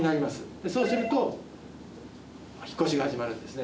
でそうすると引っ越しが始まるんですね。